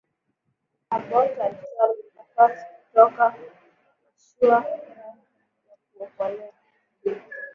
abbott alitoa nafasi katika mashua ya kuokolea